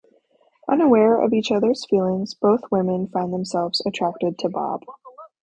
Unaware of each other's feelings, both women find themselves attracted to Bob.